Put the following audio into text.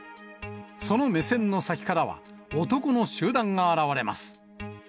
その目線の先からは、男の集団が現れます。